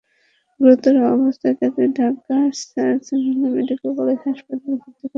গুরুতর অবস্থায় তাঁকে ঢাকার স্যার সলিমুল্লাহ মেডিকেল কলেজ হাসপাতালে ভর্তি করানো হয়।